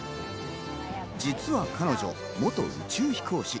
実は彼女、元宇宙飛行士。